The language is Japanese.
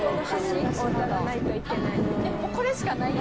これしかないんや。